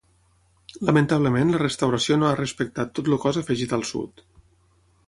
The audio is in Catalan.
Lamentablement la restauració no ha respectat tot el cos afegit al sud.